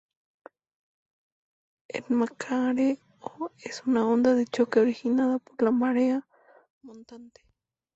El macareo es una onda de choque originada por la marea montante.